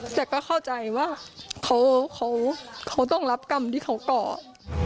แต่ก็เข้าใจว่าเขาต้องรับกรรมที่เขาก่อ